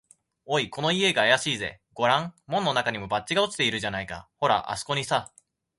「おい、この家があやしいぜ。ごらん、門のなかにも、バッジが落ちているじゃないか。ほら、あすこにさ」